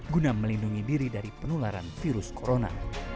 guna melindungi diri dari penularan virus corona